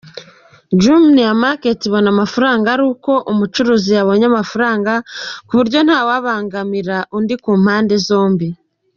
Jumia Market ibona amafaranga ari uko umucuruzi yabonye amafaranga, kuburyo ntawubangamira undi kumpande zombi.